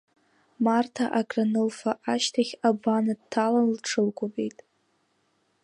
Марҭа акранылфа ашьҭахь, абана дҭалан лҽылкәабеит.